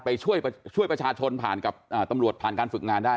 ไปช่วยประชาชนผ่านกับตำรวจผ่านการฝึกงานได้